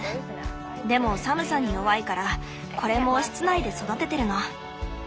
でも寒さに弱いからこれも室内で育ててるの。